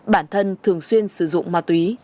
bản thân thường xuyên sử dụng ma túy